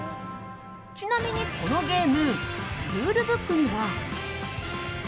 ちなみに、このゲームルールブックには。